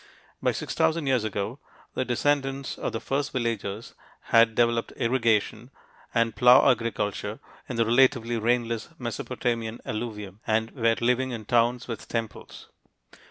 By six thousand years ago, the descendants of the first villagers had developed irrigation and plow agriculture in the relatively rainless Mesopotamian alluvium and were living in towns with temples.